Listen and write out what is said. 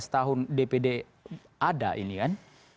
lima belas tahun dpd ada ini kan